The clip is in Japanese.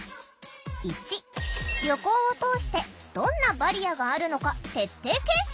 １旅行を通してどんなバリアがあるのか徹底検証！